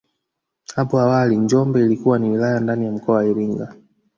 Hapo awali Njombe ilikuwa ni wilaya ndani ya mkoa wa Iringa